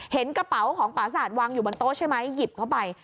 เห็นกระเป๋าของปราศาสตร์วางอยู่บนโต๊ะใช่ไหมหยิบเข้าไป